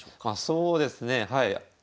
そうですねはい。